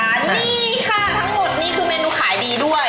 นี่ค่ะทั้งหมดนี่คือเมนูขายดีด้วย